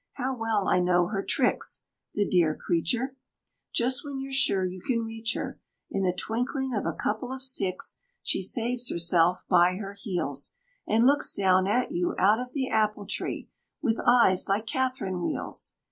How well I know her tricks! The dear creature! Just when you're sure you can reach her, In the twinkling of a couple of sticks She saves herself by her heels, And looks down at you out of the apple tree, with eyes like catherine wheels.